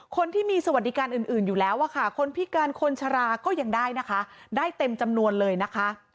คนที่มีสวัสดิการอื่นอยู่แล้วอะค่ะคนพิการคนชราก็ยังได้นะคะได้เต็มจำนวนเลยนะคะ